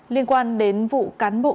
liên quan đến vụ cán bộ